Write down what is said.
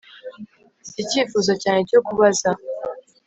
Mfite icyifuzo cyanjye cyo kubaza